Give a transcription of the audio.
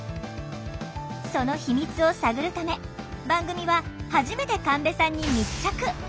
その秘密を探るため番組は初めて神戸さんに密着！